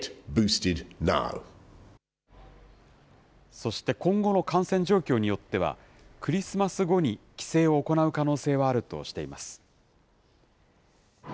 そして今後の感染状況によっては、クリスマス後に規制を行う可能性はあるとしています。